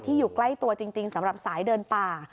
อยู่ใกล้ตัวจริงสำหรับสายเดินป่า